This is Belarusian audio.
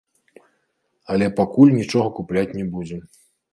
Але пакуль нічога купляць не будзем.